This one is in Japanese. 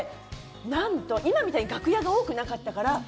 なんと、今みたいに楽屋が多くなかったから。